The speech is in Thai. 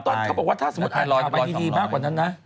เขาบอกว่าถ้าสมมุติอ่านข่าวไปดีมากกว่านั้นนะ